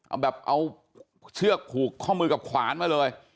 เอาแบบเอาเชือกผูกข้อมือกับขวานมาเลย